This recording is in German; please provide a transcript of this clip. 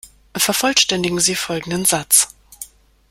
Vervollständigen Sie folgenden Satz.